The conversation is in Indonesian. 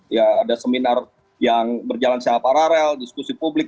ya ada seminar yang berjalan secara paralel diskusi publik